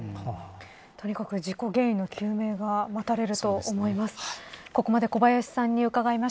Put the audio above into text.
とにかく事故原因の究明が待たれると思います。